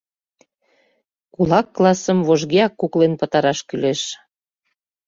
Кулак классым вожгеак куклен пытараш кӱлеш.